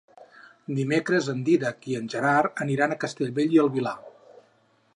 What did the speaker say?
Dimecres en Dídac i en Gerard aniran a Castellbell i el Vilar.